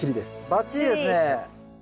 バッチリですね。